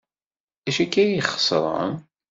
D acu akka ay ixeṣren?